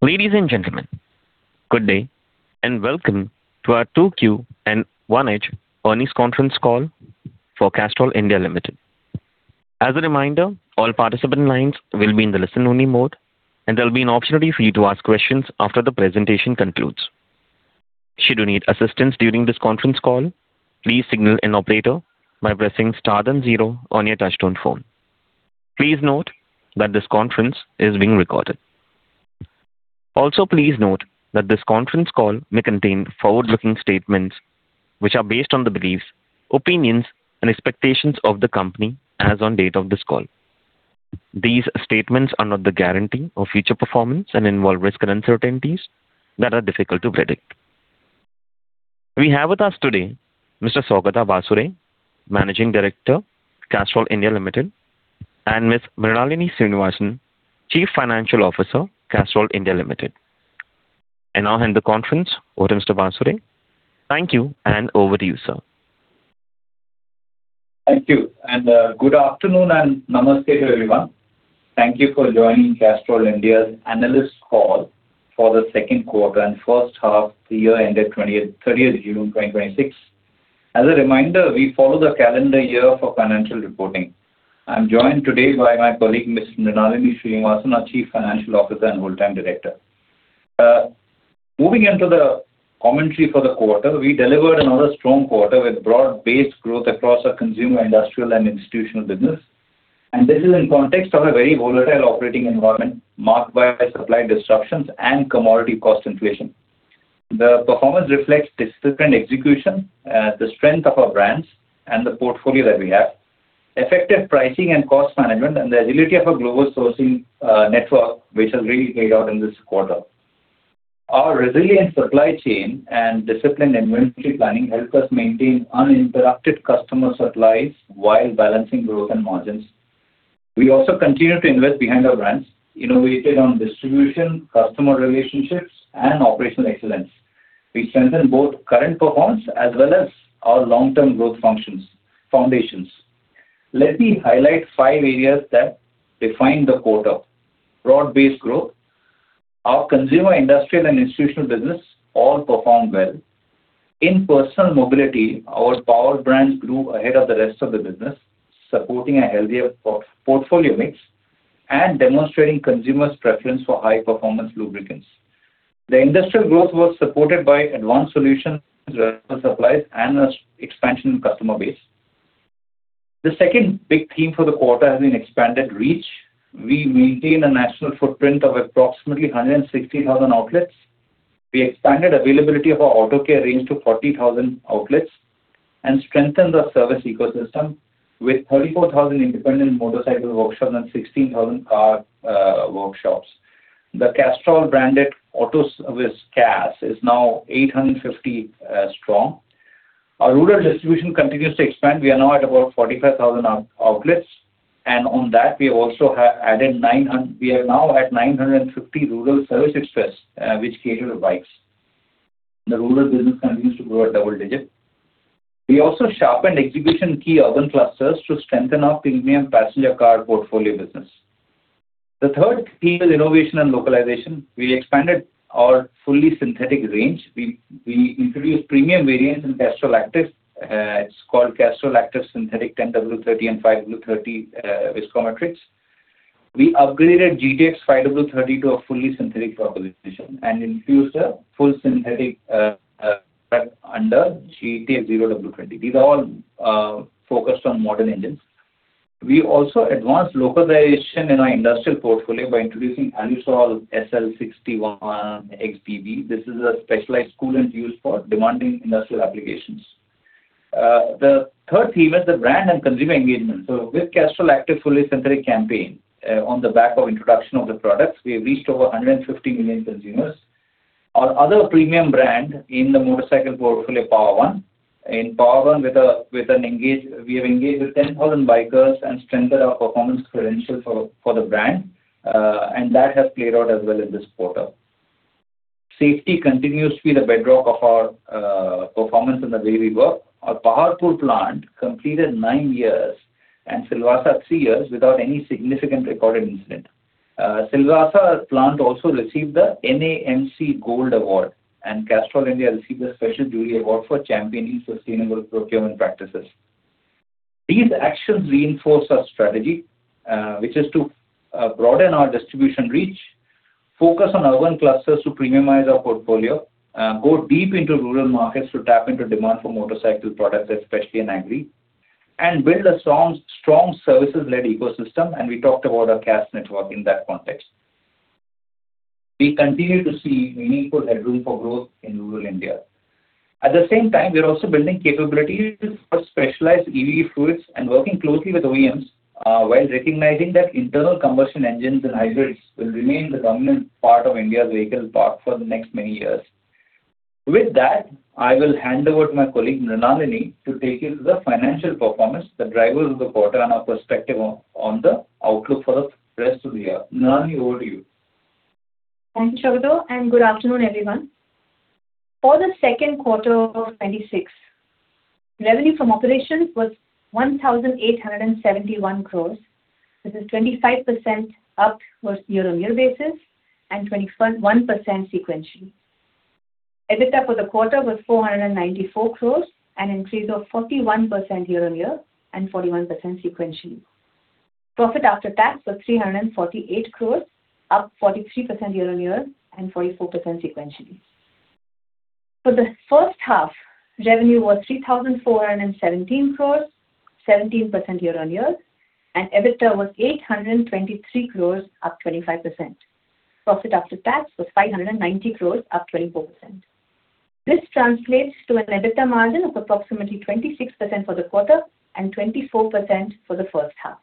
Ladies and gentlemen, good day, and welcome to our 2Q and 1H earnings conference call for Castrol India Limited. As a reminder, all participant lines will be in the listen only mode, and there'll be an opportunity for you to ask questions after the presentation concludes. Should you need assistance during this conference call, please signal an operator by pressing star then zero on your touchtone phone. Please note that this conference is being recorded. Also, please note that this conference call may contain forward-looking statements, which are based on the beliefs, opinions, and expectations of the company as on date of this call. These statements are not the guarantee of future performance and involve risks and uncertainties that are difficult to predict. We have with us today Mr. Saugata Basuray, Managing Director, Castrol India Limited, and Ms. Mrinalini Srinivasan, Chief Financial Officer, Castrol India Limited. I now hand the conference over to Mr. Basuray. Thank you, and over to you, sir. Thank you, good afternoon and namaste to everyone. Thank you for joining Castrol India's analyst call for the second quarter and first half of the year ended 30th June 2026. As a reminder, we follow the calendar year for financial reporting. I'm joined today by my colleague, Ms. Mrinalini Srinivasan, our Chief Financial Officer and Whole-Time Director. Moving into the commentary for the quarter, we delivered another strong quarter with broad-based growth across our consumer, industrial, and institutional business. This is in context of a very volatile operating environment marked by supply disruptions and commodity cost inflation. The performance reflects disciplined execution, the strength of our brands, and the portfolio that we have, effective pricing and cost management, and the agility of our global sourcing network, which has really paid off in this quarter. Our resilient supply chain and disciplined inventory planning helped us maintain uninterrupted customer supplies while balancing growth and margins. We also continued to invest behind our brands, innovated on distribution, customer relationships, and operational excellence, which strengthened both current performance as well as our long-term growth foundations. Let me highlight five areas that defined the quarter. Broad-based growth. Our consumer, industrial, and institutional business all performed well. In personal mobility, our power brands grew ahead of the rest of the business, supporting a healthier portfolio mix and demonstrating consumers' preference for high-performance lubricants. The industrial growth was supported by advanced solutions, supplies, and expansion in customer base. The second big theme for the quarter has been expanded reach. We maintain a national footprint of approximately 160,000 outlets. We expanded availability of our auto care range to 40,000 outlets and strengthened our service ecosystem with 34,000 independent motorcycle workshops and 16,000 car workshops. The Castrol Auto Service, CAS, is now 850 strong. Our rural distribution continues to expand. We are now at about 45,000 outlets, and on that, we are now at 950 rural service express, which cater to bikes. The rural business continues to grow at double digit. We also sharpened execution in key urban clusters to strengthen our premium passenger car portfolio business. The third theme is innovation and localization. We expanded our fully synthetic range. We introduced premium variants in Castrol Activ. It is called Castrol Activ Synthetic 10W-30 and 5W-30 viscometrics. We upgraded GTX 5W-30 to a fully synthetic proposition and infused a full synthetic under GTX 0W-20. These are all focused on modern engines. We also advanced localization in our industrial portfolio by introducing Alusol SL 61 XBB. This is a specialized coolant used for demanding industrial applications. The third theme is the brand and consumer engagement. With Castrol Activ Full Synthetic campaign, on the back of introduction of the products, we have reached over 150 million consumers. Our other premium brand in the motorcycle portfolio, POWER1. In POWER1, we have engaged with 10,000 bikers and strengthened our performance credentials for the brand, and that has played out as well in this quarter. Safety continues to be the bedrock of our performance and the way we work. Our Paharpur plant completed nine years and Silvassa three years without any significant recorded incident. Silvassa plant also received the NAMC Gold Award, and Castrol India received a Special Jury Award for championing sustainable procurement practices. These actions reinforce our strategy, which is to broaden our distribution reach, focus on urban clusters to premiumize our portfolio, go deep into rural markets to tap into demand for motorcycle products, especially in agri, and build a strong services-led ecosystem, and we talked about our CAS network in that context. We continue to see meaningful headroom for growth in rural India. At the same time, we are also building capabilities for specialized EV fluids and working closely with OEMs while recognizing that internal combustion engines and hybrids will remain the dominant part of India's vehicle park for the next many years. With that, I will hand over to my colleague, Mrinalini, to take you through the financial performance, the drivers of the quarter, and our perspective on the outlook for the rest of the year. Mrinalini, over to you. Thank you, Saugata, and good afternoon, everyone. For the second quarter of 2026, revenue from operations was 1,871 crores. This is 25% up versus year-on-year basis and 21% sequentially. EBITDA for the quarter was 494 crores, an increase of 41% year-on-year and 41% sequentially. Profit after tax was 348 crores, up 43% year-on-year and 44% sequentially. For the first half, revenue was 3,417 crores, 17% year-on-year, and EBITDA was 823 crores, up 25%. Profit after tax was 590 crores, up 24%. This translates to an EBITDA margin of approximately 26% for the quarter and 24% for the first half.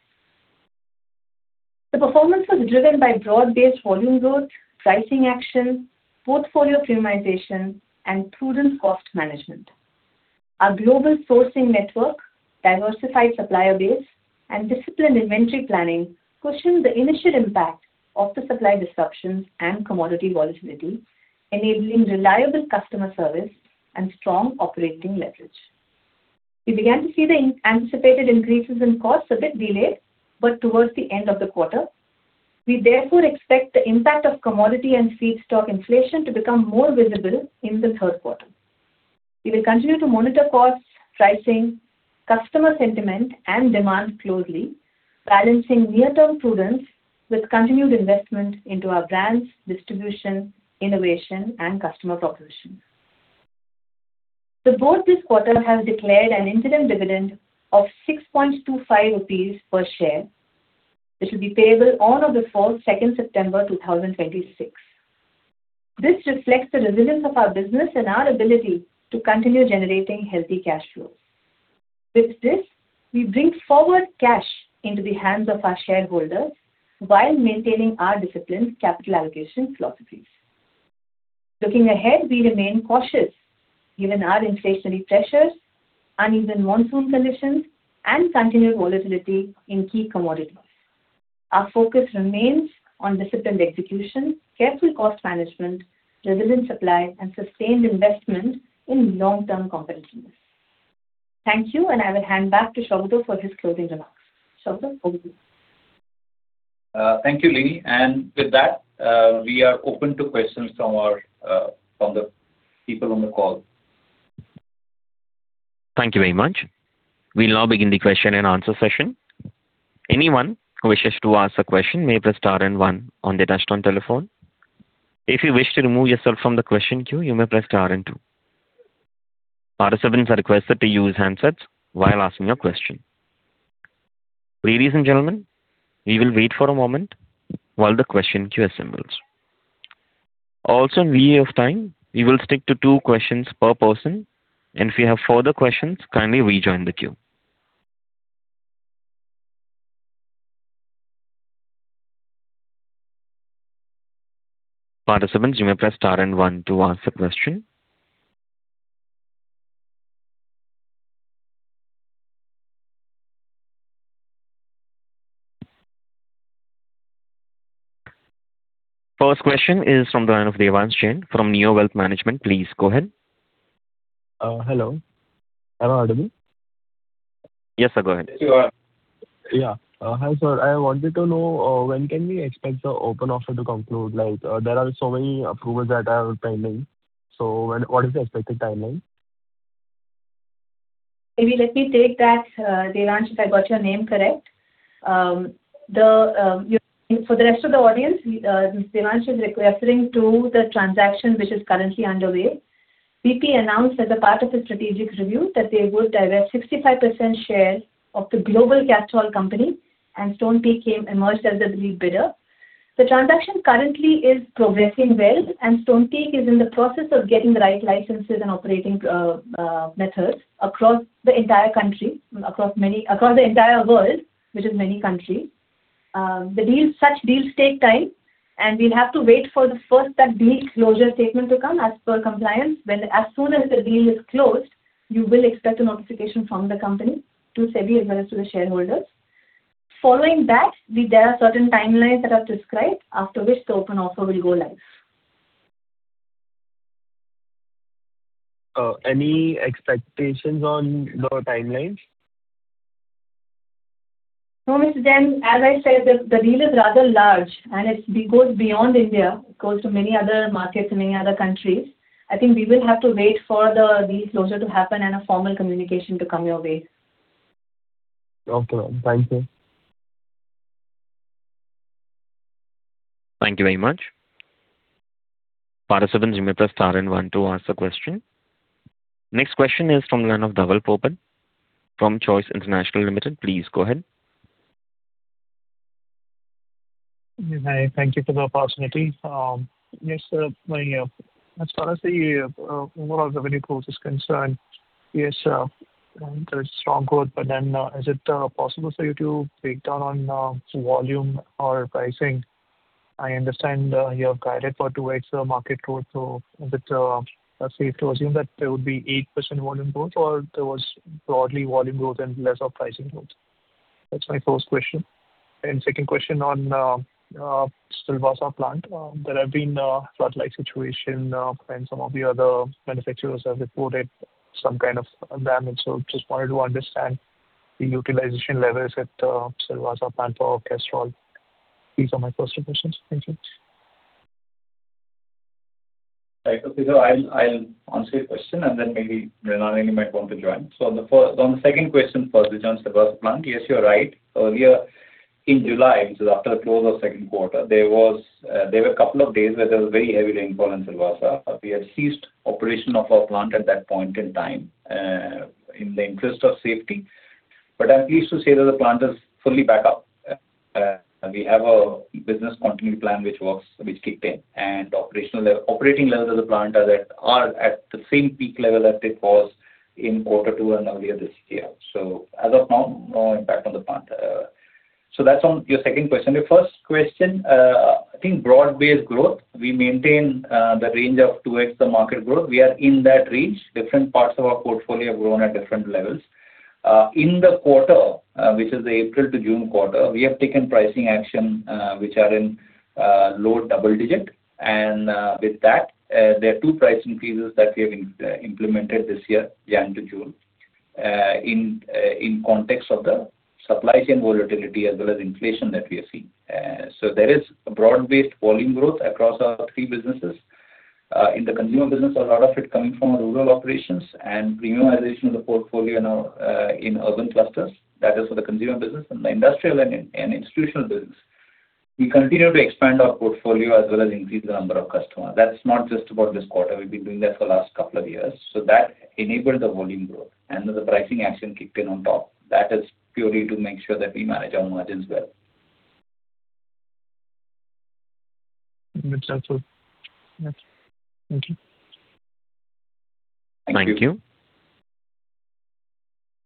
The performance was driven by broad-based volume growth, pricing action, portfolio premiumization, and prudent cost management. Our global sourcing network, diversified supplier base, and disciplined inventory planning cushioned the initial impact of the supply disruptions and commodity volatility, enabling reliable customer service and strong operating leverage. We began to see the anticipated increases in costs a bit delayed, but towards the end of the quarter. We therefore expect the impact of commodity and feedstock inflation to become more visible in the third quarter. We will continue to monitor costs, pricing, customer sentiment, and demand closely, balancing near-term prudence with continued investment into our brands, distribution, innovation, and customer proposition. The board this quarter has declared an interim dividend of 6.25 rupees per share, which will be payable on or before 2nd September 2026. This reflects the resilience of our business and our ability to continue generating healthy cash flows. With this, we bring forward cash into the hands of our shareholders while maintaining our disciplined capital allocation philosophies. Looking ahead, we remain cautious given our inflationary pressures, uneven monsoon conditions, and continued volatility in key commodities. Our focus remains on disciplined execution, careful cost management, resilient supply, and sustained investment in long-term competitiveness. Thank you, I will hand back to Saugata for his closing remarks. Saugata, over to you. Thank you, Lini. With that, we are open to questions from the people on the call. Thank you very much. We'll now begin the question-and-answer session. Anyone who wishes to ask a question may press star and one on their touchtone telephone. If you wish to remove yourself from the question queue, you may press star and two. Participants are requested to use handsets while asking a question. Ladies and gentlemen, we will wait for a moment while the question queue assembles. Also, in view of time, we will stick to two questions per person, and if you have further questions, kindly rejoin the queue. Participants, you may press star and one to ask a question. First question is from the line of Devansh Jain from Neo Wealth Management. Please go ahead. Hello. Am I audible? Yes, sir. Go ahead. Sure. Yeah. Hi, sir. I wanted to know when can we expect the open offer to conclude? There are so many approvals that are pending. What is the expected timeline? Maybe let me take that, Devansh, if I got your name correct. For the rest of the audience, Devansh is referring to the transaction which is currently underway. BP announced as a part of its strategic review that they would divest 65% share of the global Castrol company, and Stonepeak emerged as the lead bidder. The transaction currently is progressing well, and Stonepeak is in the process of getting the right licenses and operating methods across the entire country, across the entire world, which is many countries. Such deals take time, and we will have to wait for the first deal closure statement to come as per compliance. As soon as the deal is closed, you will expect a notification from the company to SEBI as well as to the shareholders. Following that, there are certain timelines that are prescribed after which the open offer will go live. Any expectations on the timelines? No, Mr. Jain. As I said, the deal is rather large, and it goes beyond India. It goes to many other markets in many other countries. I think we will have to wait for the deal closure to happen and a formal communication to come your way. Okay, ma'am. Thank you. Thank you very much. Participants, you may press star one to ask a question. Next question is from the line of Dhaval Popat from Choice International Limited. Please go ahead. Hi. Thank you for the opportunity. Yes, sir. As far as the overall revenue growth is concerned, yes, there is strong growth. Is it possible for you to break down on volume or pricing? I understand you have guided for 2x the market growth. Is it safe to assume that there would be 8% volume growth, or there was broadly volume growth and lesser pricing growth? That's my first question. Second question on Silvassa plant. There have been a flood-like situation, and some of the other manufacturers have reported some kind of damage. Just wanted to understand the utilization levels at Silvassa plant for Castrol. These are my first two questions. Thank you. Right. Okay. I'll answer your question, and then maybe Mrinalini might want to join. On the second question first, which is on Silvassa plant, yes, you're right. Earlier in July, which is after the close of second quarter, there were a couple of days where there was very heavy rainfall in Silvassa. We had ceased operation of our plant at that point in time, in the interest of safety. I'm pleased to say that the plant is fully back up. We have a business continuity plan which kicked in, and operating levels of the plant are at the same peak level as it was in quarter two and earlier this year. As of now, no impact on the plant. That's on your second question. Your first question, I think broad-based growth, we maintain the range of 2x the market growth. We are in that range. Different parts of our portfolio have grown at different levels. In the quarter, which is the April to June quarter, we have taken pricing action, which are in low double digit. With that, there are two price increases that we have implemented this year, January to June, in context of the supply chain volatility as well as inflation that we are seeing. There is a broad-based volume growth across our three businesses. In the consumer business, a lot of it coming from our rural operations and premiumization of the portfolio now in urban clusters. That is for the consumer business. In the industrial and institutional business, we continue to expand our portfolio as well as increase the number of customers. That is not just about this quarter. We have been doing that for the last couple of years. That enabled the volume growth, the pricing action kicked in on top. That is purely to make sure that we manage our margins well. That is all. Thank you. Thank you. Thank you.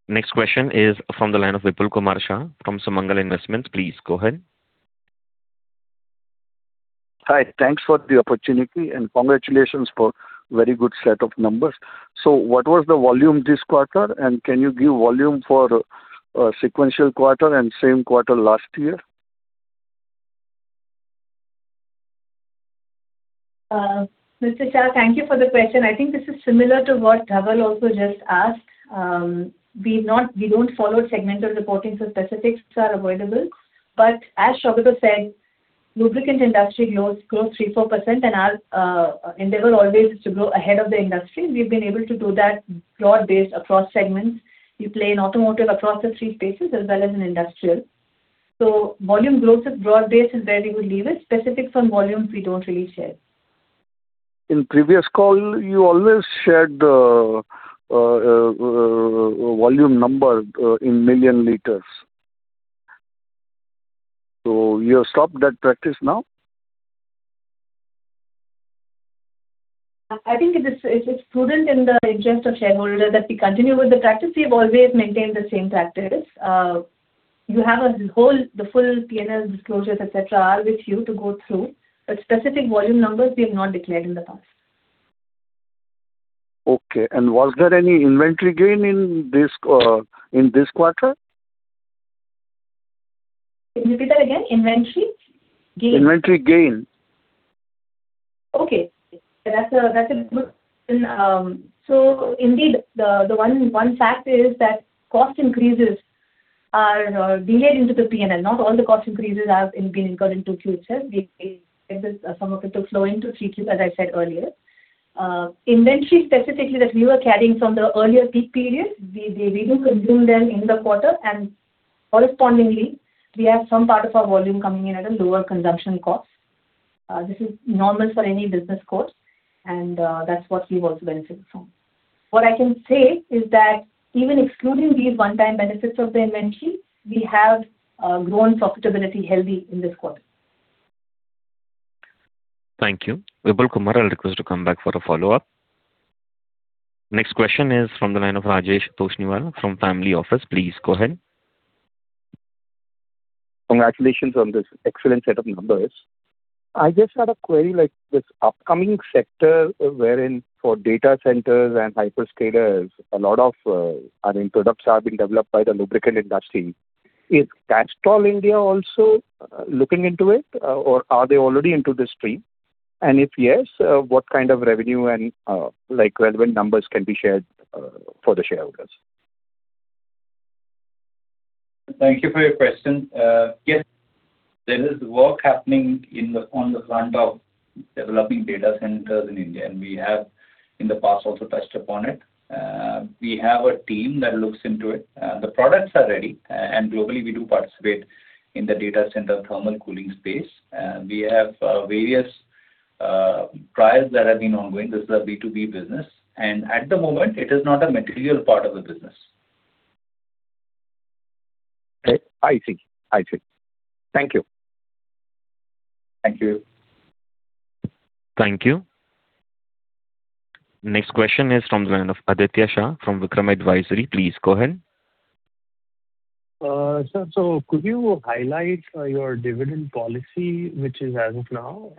Next question is from the line of Vipul Kumar Shah from Sumangal Investments. Please go ahead. Hi. Thanks for the opportunity and congratulations for very good set of numbers. What was the volume this quarter, and can you give volume for sequential quarter and same quarter last year? Mr. Shah, thank you for the question. I think this is similar to what Dhaval also just asked. We don't follow segmental reporting, specifics are avoidable. As Saugata has said, lubricant industry grows 3%, 4%, and our endeavor always is to grow ahead of the industry. We've been able to do that broad-based across segments. We play in automotive across the three spaces as well as in industrial. Volume growth is broad-based, is where we will leave it. Specifics on volumes we don't really share. In previous call, you always shared the volume number in million liters. You have stopped that practice now? I think it's prudent in the interest of shareholder that we continue with the practice. We have always maintained the same practice. You have the full P&L disclosures, et cetera, are with you to go through. Specific volume numbers, we have not declared in the past. Okay. Was there any inventory gain in this quarter? Can you repeat that again? Inventory gain? Inventory gain. Indeed, the one fact is that cost increases are delayed into the P&L. Not all the cost increases have been incurred into Q2. Some of it took slow into Q2, as I said earlier. Inventory specifically that we were carrying from the earlier peak period, we do consume them in the quarter, and correspondingly, we have some part of our volume coming in at a lower consumption cost. This is normal for any business course, and that's what we've also benefited from. What I can say is that even excluding these one-time benefits of the inventory, we have grown profitability healthy in this quarter. Thank you. Vipul Kumar, I will request to come back for a follow-up. Next question is from the line of [Rajesh Toshniwal] from Family Office. Please go ahead. Congratulations on this excellent set of numbers. I just had a query, like this upcoming sector wherein for data centers and hyperscalers, a lot of products are being developed by the lubricant industry. Is Castrol India also looking into it? Are they already into this stream? If yes, what kind of revenue and relevant numbers can be shared for the shareholders? Thank you for your question. Yes, there is work happening on the front of developing data centers in India, and we have in the past also touched upon it. We have a team that looks into it. The products are ready, and globally, we do participate in the data center thermal cooling space. We have various trials that have been ongoing. This is a B2B business, and at the moment, it is not a material part of the business. I see. Thank you. Thank you. Thank you. Next question is from the line of Aditya Shah from Vikram Advisory. Please go ahead. Sir, could you highlight your dividend policy, which is as of now?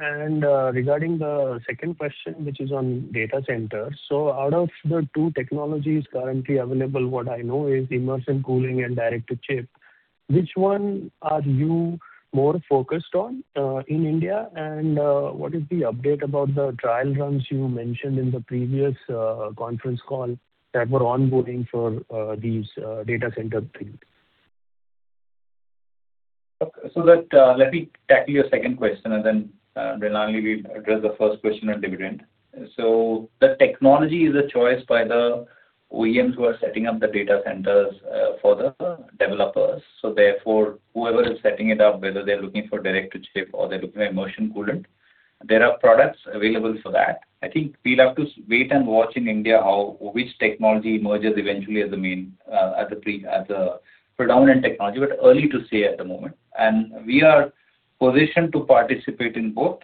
Regarding the second question, which is on data centers. Out of the two technologies currently available, what I know is immersion cooling and direct to chip. Which one are you more focused on in India, and what is the update about the trial runs you mentioned in the previous conference call that were onboarding for these data center things? Let me tackle your second question, and then finally we address the first question on dividend. The technology is a choice by the OEMs who are setting up the data centers for the developers. Therefore, whoever is setting it up, whether they're looking for direct to chip or they're looking at immersion coolant, there are products available for that. I think we'll have to wait and watch in India which technology emerges eventually as the predominant technology, but early to say at the moment. We are positioned to participate in both.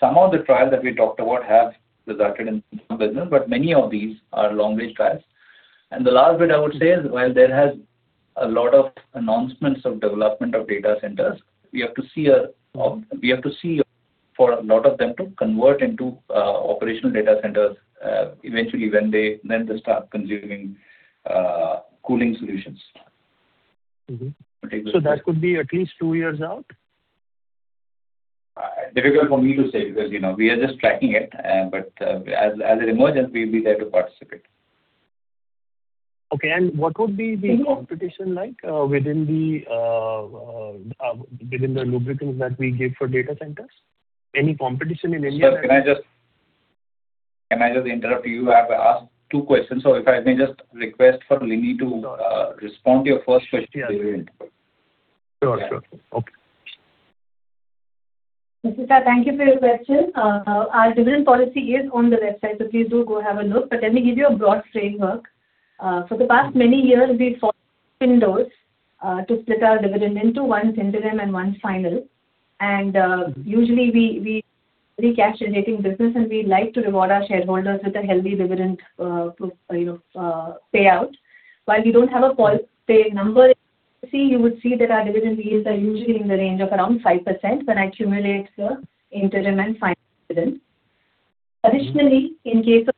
Some of the trials that we talked about have resulted in some business, but many of these are long-range trials. The last bit I would say is while there has a lot of announcements of development of data centers, we have to see for a lot of them to convert into operational data centers, eventually then they'll start consuming cooling solutions. That could be at least two years out? Difficult for me to say, because we are just tracking it, but as it emerges, we'll be there to participate. Okay. What would the competition be like within the lubricants that we give for data centers? Any competition in India? Sir, can I just interrupt you? You have asked two questions, so if I may just request for Lini to respond to your first question. Sure. Okay. Mr. Aditya, thank you for your question. Our dividend policy is on the website, so please do go have a look, but let me give you a broad framework. For the past many years, we've followed windows to split our dividend into one interim and one final. Usually we're a cash-generating business, and we like to reward our shareholders with a healthy dividend payout. While we don't have a call pay number, you would see that our dividend yields are usually in the range of around 5% when I accumulate the interim and final dividend. Additionally, in case of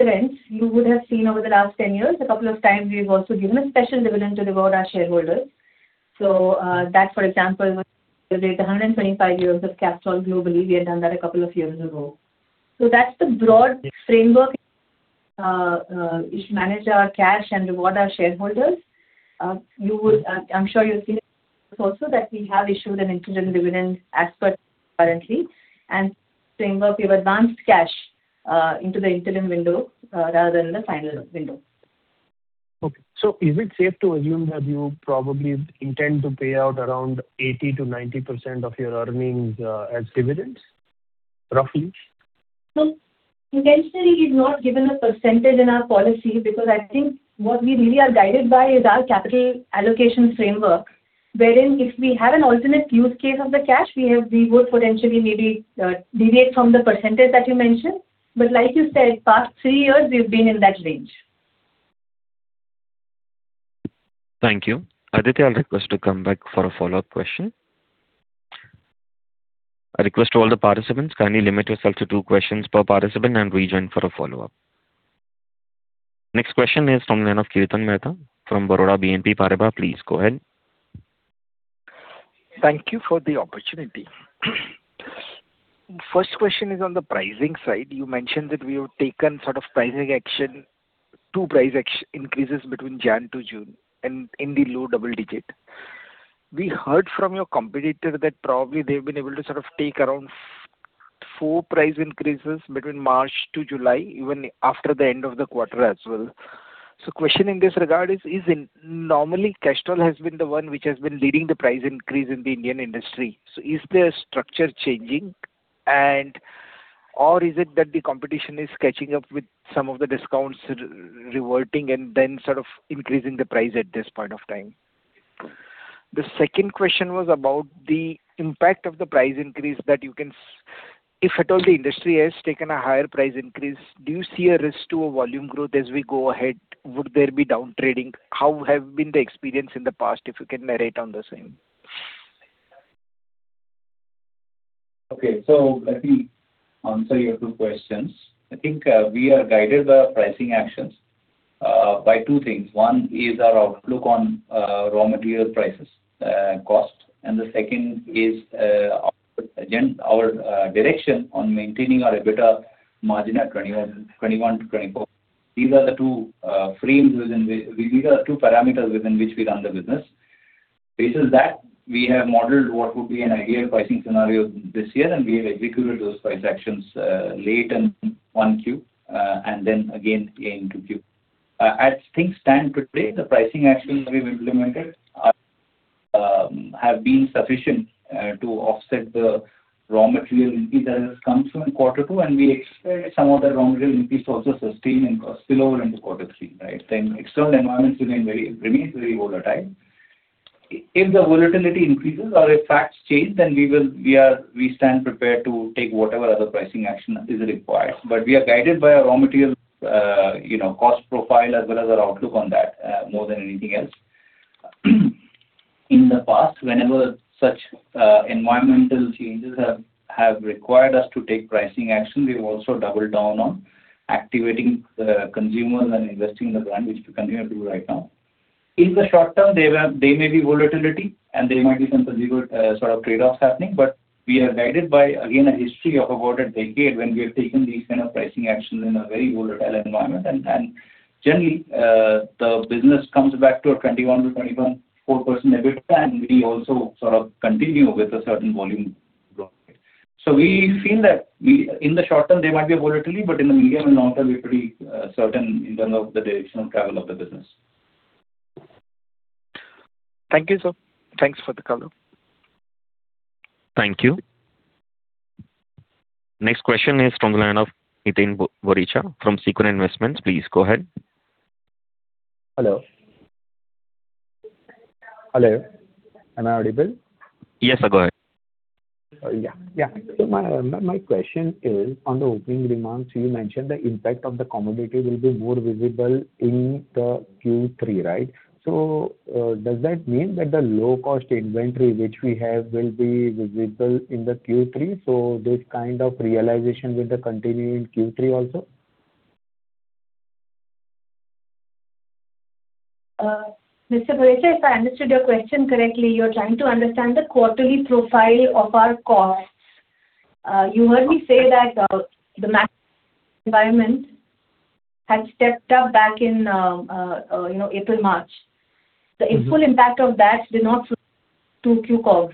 events, you would have seen over the last 10 years, a couple of times we've also given a special dividend to reward our shareholders. That, for example, was the 125 years of Castrol globally. We had done that a couple of years ago. That's the broad framework. We manage our cash and reward our shareholders. I'm sure you've seen also that we have issued an interim dividend as per current framework, we've advanced cash into the interim window rather than the final window. Okay. Is it safe to assume that you probably intend to pay out around 80%-90% of your earnings as dividends, roughly? Intentionally we've not given a percentage in our policy because I think what we really are guided by is our capital allocation framework, wherein if we have an alternate use case of the cash, we would potentially maybe deviate from the percentage that you mentioned. Like you said, past three years, we've been in that range. Thank you. Aditya, I'll request to come back for a follow-up question. I request to all the participants, kindly limit yourself to two questions per participant and rejoin for a follow-up. Next question is from the line of Kirtan Mehta from Baroda BNP Paribas. Please go ahead. Thank you for the opportunity. First question is on the pricing side. You mentioned that we have taken sort of pricing action, two price increases between January to June and in the low double-digit. We heard from your competitor that probably they've been able to sort of take around four price increases between March to July, even after the end of the quarter as well. Question in this regard is, normally Castrol has been the one which has been leading the price increase in the Indian industry. Is their structure changing, or is it that the competition is catching up with some of the discounts reverting and then sort of increasing the price at this point of time? The second question was about the impact of the price increase that you can. If at all the industry has taken a higher price increase, do you see a risk to volume growth as we go ahead? Would there be downtrading? How has been the experience in the past, if you can narrate on the same? Okay. Let me answer your two questions. I think we have guided the pricing actions by two things. One is our outlook on raw material prices, cost, and the second is our direction on maintaining our EBITDA margin at 21%-24%. These are the two parameters within which we run the business. Based on that, we have modeled what would be an ideal pricing scenario this year, and we have executed those price actions late in 1Q, and then again in 2Q. As things stand today, the pricing actions we've implemented have been sufficient to offset the raw material increases coming from quarter two, and we expect some of the raw material increases to also sustain and spill over into quarter three. Right. External environments remain very volatile. If the volatility increases or if facts change, then we stand prepared to take whatever other pricing action is required. We are guided by our raw material cost profile as well as our outlook on that more than anything else. In the past, whenever such environmental changes have required us to take pricing action, we've also doubled down on activating the consumers and investing in the brand, which we continue to do right now. In the short term, there may be volatility and there might be some sort of trade-offs happening. We are guided by, again, a history of about a decade when we have taken these kind of pricing actions in a very volatile environment. Generally, the business comes back to a 21%-24% EBITDA, and we also sort of continue with a certain volume growth rate. We feel that in the short term, there might be a volatility, but in the medium and long term, we are pretty certain in terms of the directional travel of the business. Thank you, sir. Thanks for the call though. Thank you. Next question is from the line of [Nitin Borecha] from Securin Investments. Please go ahead. Hello, am I audible? Yes, sir, go ahead. My question is on the opening remarks, you mentioned the impact of the commodity will be more visible in the Q3, right? Does that mean that the low-cost inventory which we have will be visible in the Q3? This kind of realization will continue in Q3 also? Mr. [Borecha], if I understood your question correctly, you're trying to understand the quarterly profile of our costs. You heard me say that the environment had stepped up back in April, March. Its full impact of that did not—2Q calls.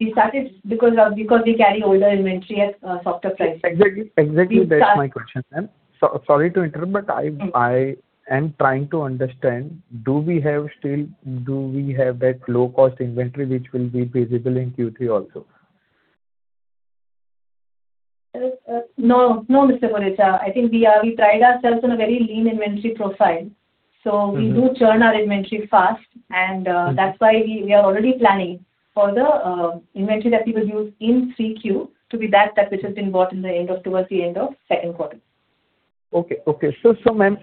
We started because we carry older inventory at softer prices. Exactly. That's my question, ma'am. Sorry to interrupt, but I am trying to understand, do we have that low-cost inventory, which will be visible in Q3 also? No, Mr. [Borecha]. I think we pride ourselves on a very lean inventory profile. We do churn our inventory fast, and that's why we are already planning for the inventory that we will use in 3Q to be that stock which has been bought towards the end of second quarter. Okay. Ma'am,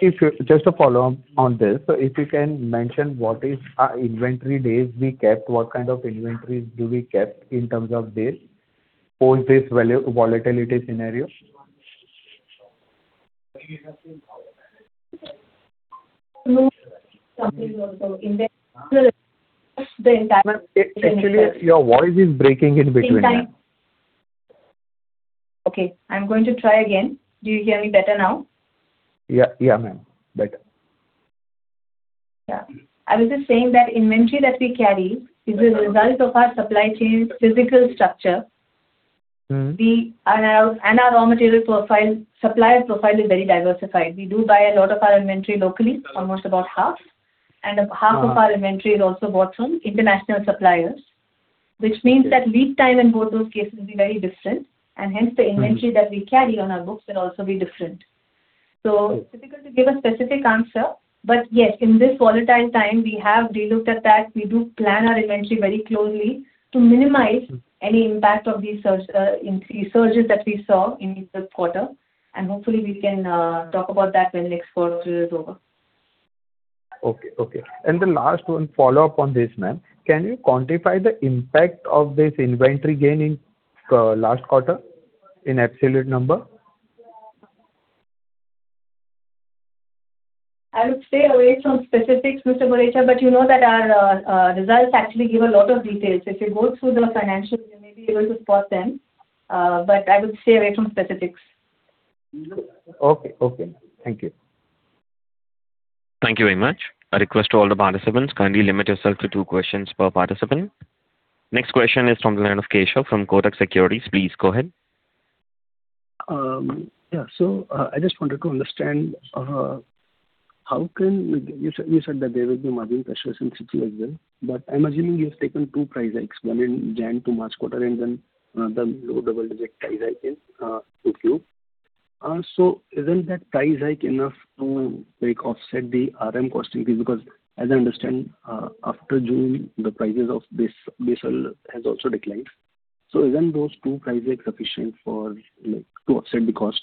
just a follow-on on this. If you can mention what is our inventory days we kept, what kind of inventories do we kept in terms of days for this volatility scenario? Something also in the entire- Ma'am, actually, your voice is breaking in between. Okay, I'm going to try again. Do you hear me better now? Yeah, ma'am, better. Yeah. I was just saying that inventory that we carry is a result of our supply chain physical structure. Our raw material profile, supplier profile is very diversified. We do buy a lot of our inventory locally, almost about half. Half of our inventory is also bought from international suppliers, which means that lead time in both those cases will be very different, and hence the inventory that we carry on our books will also be different. Difficult to give a specific answer. Yes, in this volatile time, we have relooked at that. We do plan our inventory very closely to minimize any impact of these surges that we saw in this quarter. Hopefully, we can talk about that when next quarter is over. Okay. The last one follow-up on this, ma'am. Can you quantify the impact of this inventory gain in last quarter in absolute number? I would stay away from specifics, Mr. [Borecha], you know that our results actually give a lot of details. If you go through the financials, you may be able to spot them. I would stay away from specifics. Okay. Thank you. Thank you very much. A request to all the participants, kindly limit yourself to two questions per participant. Next question is from the line of Keshav from Kotak Securities. Please go ahead. I just wanted to understand, you said that there will be margin pressures in [inaudible] as well, but I'm assuming you have taken two price hikes, one in January to March quarter, and then the low double-digit price hike in 2Q. Isn't that price hike enough to offset the RM cost increase? Because as I understand, after June, the prices of diesel has also declined. Isn't those two price hikes sufficient to offset the cost?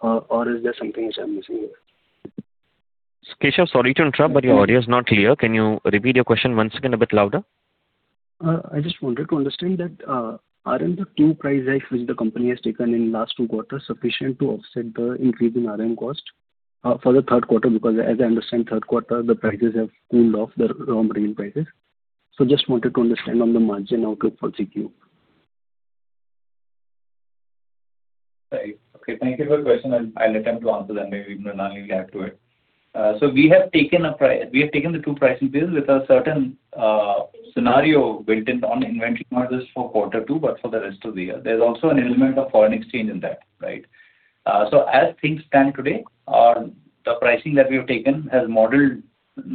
Or is there something which I'm missing here? Keshav, sorry to interrupt, your audio is not clear. Can you repeat your question once again a bit louder? I just wanted to understand that, RM, the two price hikes which the company has taken in last two quarters, sufficient to offset the increase in RM cost for the third quarter, because as I understand, third quarter, the prices have cooled off the raw material prices. Just wanted to understand on the margin outlook for 3Q. Right. Okay. Thank you for the question. I'll attempt to answer that. Maybe Mrinalini will add to it. We have taken the two pricing bills with a certain scenario built in on inventory models for quarter two, for the rest of the year. There's also an element of foreign exchange in that, right? As things stand today, the pricing that we have taken has modeled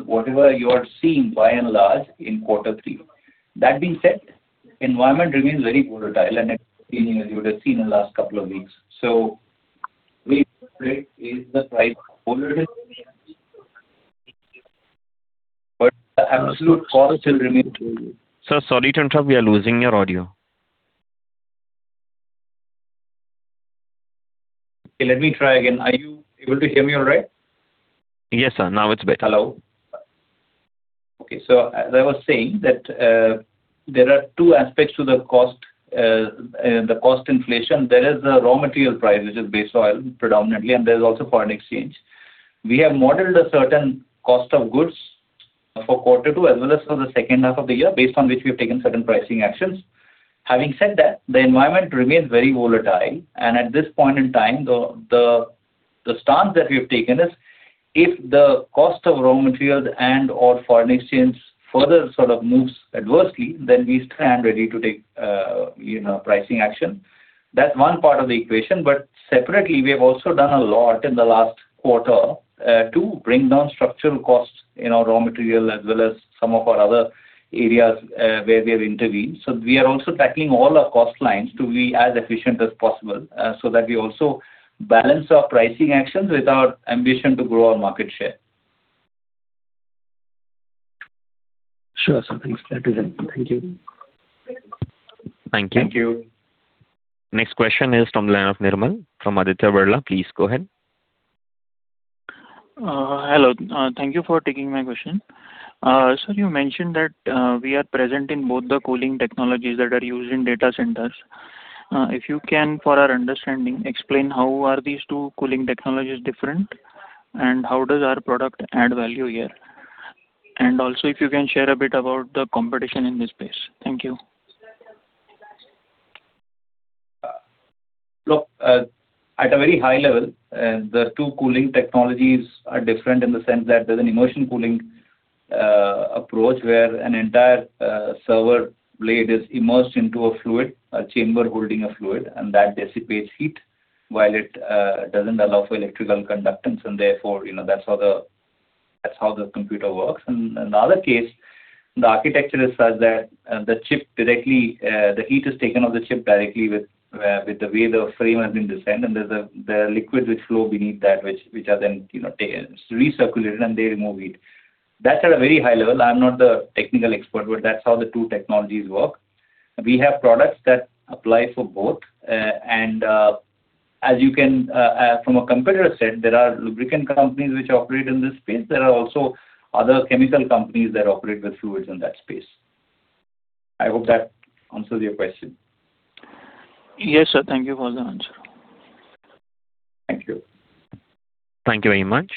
whatever you are seeing by and large in quarter three. That being said, environment remains very volatile and it's changing as you would have seen in the last couple of weeks. We is the price volatility but the absolute cost will remain. Sir, sorry to interrupt, we are losing your audio. Let me try again. Are you able to hear me all right? Yes, sir. Now it's better. Hello? As I was saying that there are two aspects to the cost inflation. There is the raw material price, which is base oil predominantly, and there's also foreign exchange. We have modeled a certain cost of goods for quarter two, as well as for the second half of the year, based on which we've taken certain pricing actions. Having said that, the environment remains very volatile, and at this point in time, the stance that we've taken is if the cost of raw materials and/or foreign exchange further sort of moves adversely, then we stand ready to take pricing action. That's one part of the equation. Separately, we have also done a lot in the last quarter, to bring down structural costs in our raw material as well as some of our other areas where we have intervened. We are also tackling all our cost lines to be as efficient as possible so that we also balance our pricing actions with our ambition to grow our market share. Sure. Thanks. That is it. Thank you. Thank you. Thank you. Next question is from the line of Nirmal from Aditya Birla. Please go ahead. Hello. Thank you for taking my question. Sir, you mentioned that we are present in both the cooling technologies that are used in data centers. If you can, for our understanding, explain how are these two cooling technologies different, and how does our product add value here? Also, if you can share a bit about the competition in this space. Thank you. Look, at a very high level, the two cooling technologies are different in the sense that there's an immersion cooling approach where an entire server blade is immersed into a fluid, a chamber holding a fluid, and that dissipates heat while it doesn't allow for electrical conductance, and therefore, that's how the computer works. In the other case, the architecture is such that the heat is taken off the chip directly with the way the frame has been designed, and there are liquids which flow beneath that, which are then recirculated, and they remove heat. That's at a very high level. I'm not the technical expert, but that's how the two technologies work. We have products that apply for both. From a competitor set, there are lubricant companies which operate in this space. There are also other chemical companies that operate with fluids in that space. I hope that answers your question. Yes, sir. Thank you for the answer. Thank you. Thank you very much.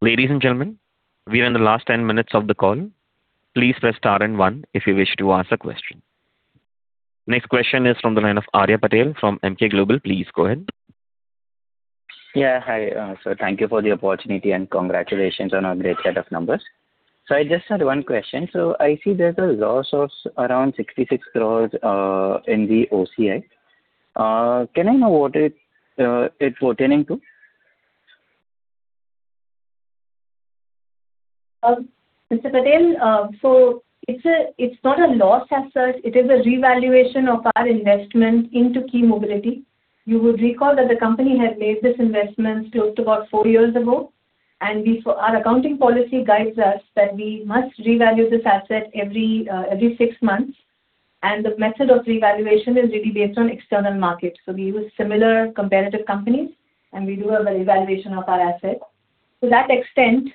Ladies and gentlemen, we are in the last 10 minutes of the call. Please press star and one if you wish to ask a question. Next question is from the line of Arya Patel from Emkay Global. Please go ahead. Yeah, hi. Thank you for the opportunity, and congratulations on a great set of numbers. I just had one question. I see there's a loss of around 66 crores in the OCI. Can I know what it's pertaining to? Mr. Patel, it's not a loss as such. It is a revaluation of our investment into ki Mobility Solutions. You would recall that the company had made this investment close to about four years ago. Our accounting policy guides us that we must revalue this asset every six months, and the method of revaluation is really based on external markets. We use similar competitive companies, and we do a revaluation of our asset. To that extent,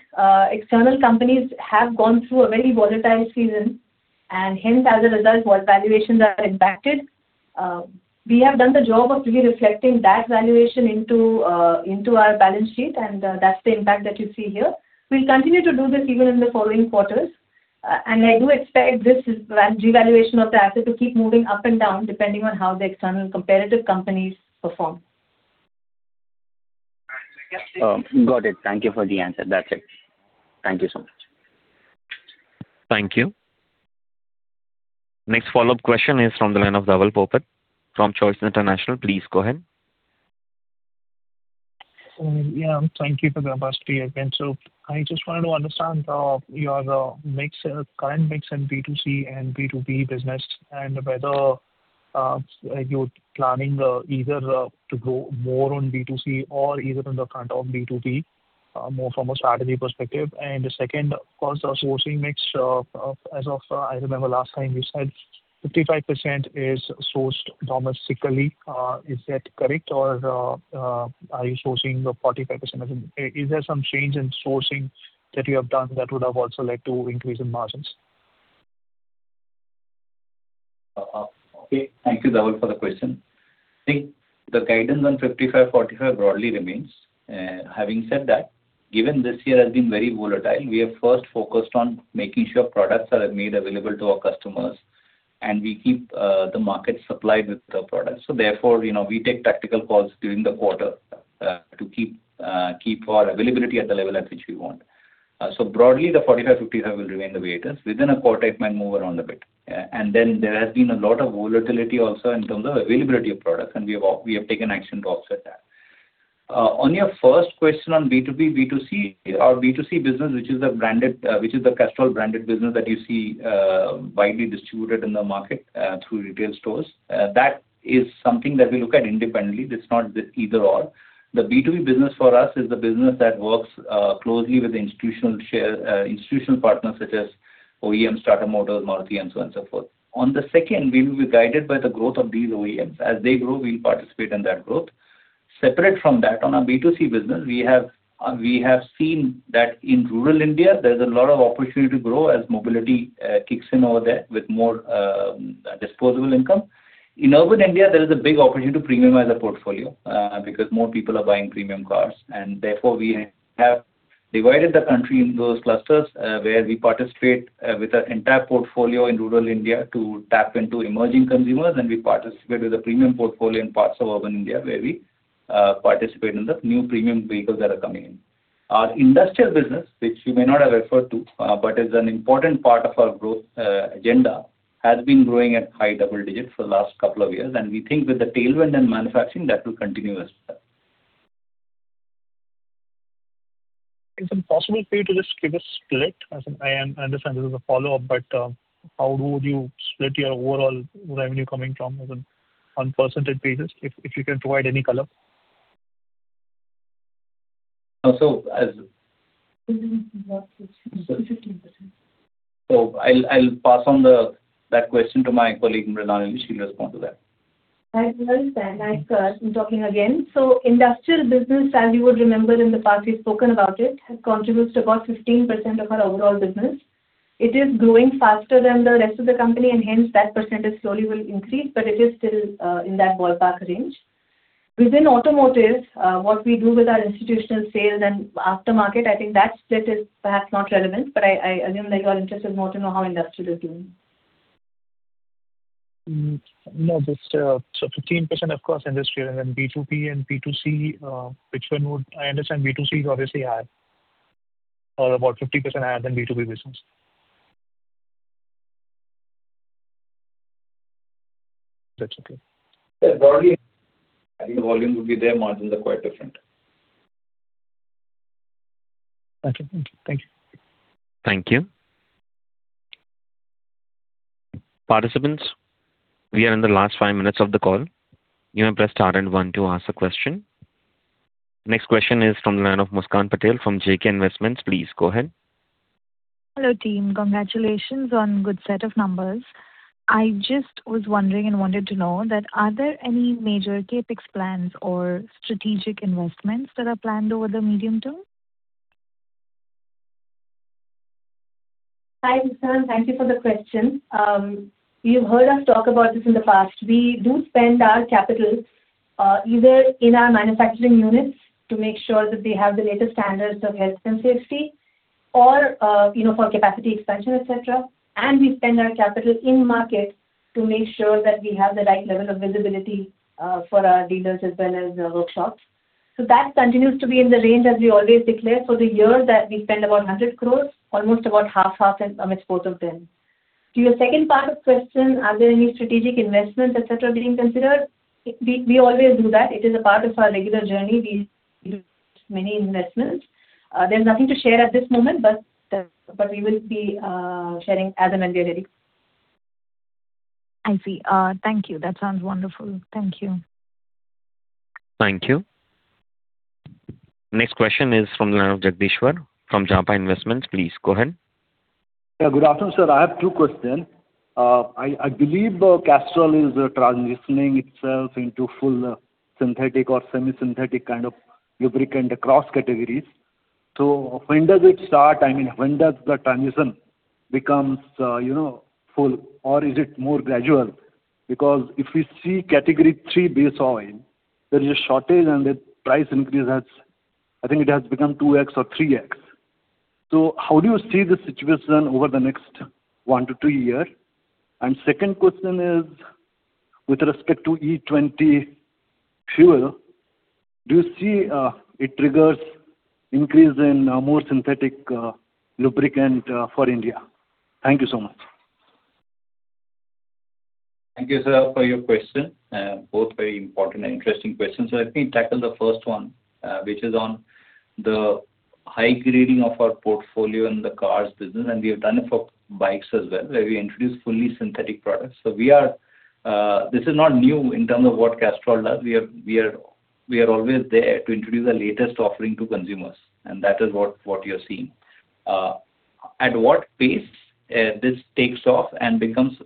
external companies have gone through a very volatile season, and hence as a result, our valuations are impacted. We have done the job of really reflecting that valuation into our balance sheet, and that's the impact that you see here. We'll continue to do this even in the following quarters, and I do expect this revaluation of the asset to keep moving up and down, depending on how the external competitive companies perform. Got it. Thank you for the answer. That's it. Thank you so much. Thank you. Next follow-up question is from the line of Dhaval Popat from Choice International. Please go ahead. Thank you for the opportunity again. I just wanted to understand your current mix in B2C and B2B business and whether you're planning either to grow more on B2C or either on the front of B2B, more from a strategy perspective. Second, cost sourcing mix as of, I remember last time you said 55% is sourced domestically. Is that correct, or are you sourcing 45%? Is there some change in sourcing that you have done that would have also led to increase in margins? Okay. Thank you, Dhaval, for the question. I think the guidance on 55%, 45% broadly remains. Having said that, given this year has been very volatile, we are first focused on making sure products are made available to our customers, and we keep the market supplied with the products. Therefore, we take tactical calls during the quarter to keep our availability at the level at which we want. Broadly, the 45%, 55% will remain the way it is. Within a quarter, it might move around a bit. Then there has been a lot of volatility also in terms of availability of products, and we have taken action to offset that. On your first question on B2B, B2C. Our B2C business, which is the Castrol branded business that you see widely distributed in the market through retail stores, that is something that we look at independently. It's not either/or. The B2B business for us is the business that works closely with institutional partners such as OEMs, Tata Motors, Maruti, and so on, so forth. On the second, we will be guided by the growth of these OEMs. As they grow, we'll participate in that growth. Separate from that, on our B2C business, we have seen that in rural India, there's a lot of opportunity to grow as mobility kicks in over there with more disposable income. In urban India, there is a big opportunity to premiumize the portfolio, because more people are buying premium cars, and therefore, we have divided the country into those clusters, where we participate with our entire portfolio in rural India to tap into emerging consumers, and we participate with a premium portfolio in parts of urban India, where we participate in the new premium vehicles that are coming in. Our industrial business, which we may not have referred to, but is an important part of our growth agenda, has been growing at high double digits for the last couple of years, and we think with the tailwind and manufacturing, that will continue as well. Is it possible for you to just give a split? I understand this is a follow-up, but how would you split your overall revenue coming from, on percentage basis, if you can provide any color? So as- 15%. I'll pass on that question to my colleague, Mrinalini. She'll respond to that. Hi, Dhaval. I'm talking again. Industrial business, as you would remember in the past, we've spoken about it, has contributed about 15% of our overall business. It is growing faster than the rest of the company, and hence that percentage slowly will increase, but it is still in that ballpark range. Within automotive, what we do with our institutional sales and aftermarket, I think that split is perhaps not relevant, but I assume that your interest is more to know how industrial is doing. No, just 15% of gross industrial. B2B and B2C, which one would I understand B2C is obviously high or about 50% higher than B2B business? That's okay. Yes. Volume. I think the volume would be there, margins are quite different. Okay, thank you. Thank you. Participants, we are in the last five minutes of the call. You may press star and one to ask a question. Next question is from the line of [Muskan Patel] from JK Investments. Please go ahead. Hello, team. Congratulations on good set of numbers. I just was wondering and wanted to know that are there any major CapEx plans or strategic investments that are planned over the medium term? Hi, [Muskan]. Thank you for the question. You've heard us talk about this in the past. We do spend our capital, either in our manufacturing units to make sure that they have the latest standards of health and safety or for capacity expansion, et cetera, and we spend our capital in market to make sure that we have the right level of visibility for our dealers as well as the workshops. That continues to be in the range as we always declare for the year that we spend about 100 crores, almost about half amidst both of them. To your second part of question, are there any strategic investments, et cetera, being considered? We always do that. It is a part of our regular journey. We do many investments. There's nothing to share at this moment, but we will be sharing as and when we are ready. I see. Thank you. That sounds wonderful. Thank you. Thank you. Next question is from the line of Jagdishwar from Japa Investments. Please go ahead. Yeah, good afternoon, sir. I have two questions. I believe Castrol is transitioning itself into full synthetic or semi-synthetic kind of lubricant across categories. When does it start? When does the transition become full or is it more gradual? If we see category three base oil, there is a shortage, and the price increase, I think it has become 2x or 3x. How do you see the situation over the next one to two years? Second question is with respect to E20 fuel, do you see it triggers increase in more synthetic lubricant for India? Thank you so much. Thank you, sir, for your question. Both very important and interesting questions. Let me tackle the first one, which is on the high grading of our portfolio in the cars business, and we have done it for bikes as well, where we introduced fully synthetic products. This is not new in terms of what Castrol does. We are always there to introduce the latest offering to consumers, and that is what you're seeing. At what pace this takes off and converts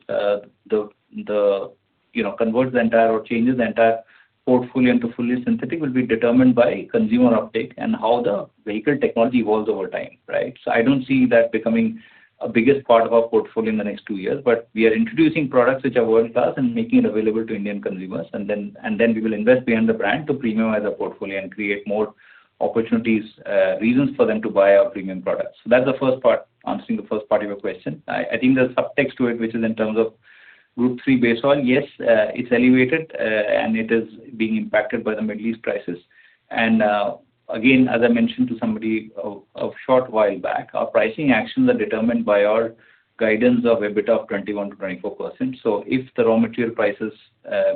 the entire or changes the entire portfolio into fully synthetic will be determined by consumer uptake and how the vehicle technology evolves over time, right? I don't see that becoming a biggest part of our portfolio in the next two years, but we are introducing products which are world-class and making it available to Indian consumers, and then we will invest behind the brand to premiumize our portfolio and create more opportunities, reasons for them to buy our premium products. That's the first part, answering the first part of your question. I think the subtext to it, which is in terms of group three base oil, yes, it's elevated, and it is being impacted by the Middle East crisis. Again, as I mentioned to somebody a short while back, our pricing actions are determined by our guidance of EBITDA of 21%-24%. If the raw material prices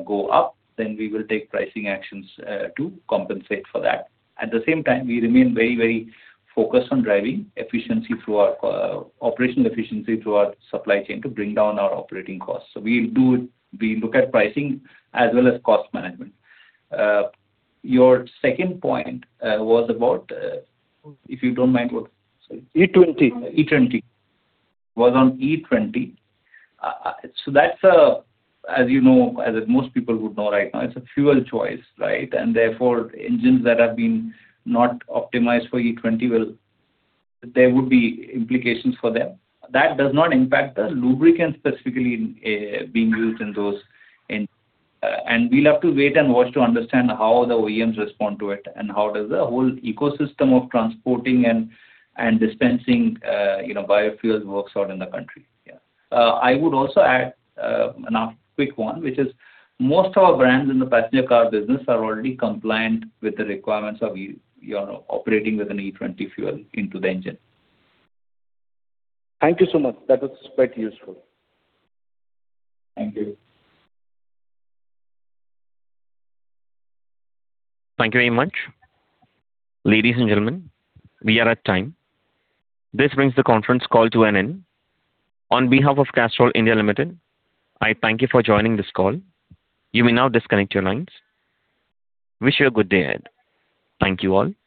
go up, then we will take pricing actions to compensate for that. At the same time, we remain very focused on driving operational efficiency through our supply chain to bring down our operating costs. We look at pricing as well as cost management. Your second point was about—if you don't mind was— E20. —was on E20. That, as most people would know right now, it's a fuel choice, right? Therefore, engines that have been not optimized for E20, there would be implications for them. That does not impact the lubricant specifically being used in those engines. We'll have to wait and watch to understand how the OEMs respond to it and how does the whole ecosystem of transporting and dispensing biofuels works out in the country. I would also add a quick one, which is most of our brands in the passenger car business are already compliant with the requirements of operating with an E20 fuel into the engine. Thank you so much. That was quite useful. Thank you. Thank you very much. Ladies and gentlemen, we are at time. This brings the conference call to an end. On behalf of Castrol India Limited, I thank you for joining this call. You may now disconnect your lines. Wish you a good day ahead. Thank you, all.